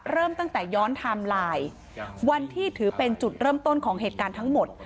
เริ่มตั้งแต่ย้อนไทม์ไลน์วันที่ถือเป็นจุดเริ่มต้นของเหตุการณ์ทั้งหมด